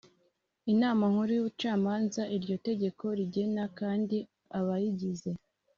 Inama Nkuru y Ubucamanza Iryo tegeko rigena kandi abayigize